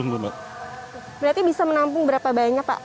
berarti bisa menampung berapa banyak pak